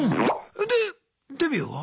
でデビューは？